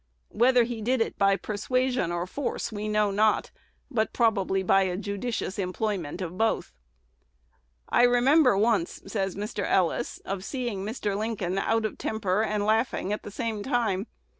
Whether he did it by persuasion or force, we know not, but probably by a judicious employment of both. "I remember once," says Mr. Ellis, "of seeing Mr. Lincoln out of temper, and laughing at the same time.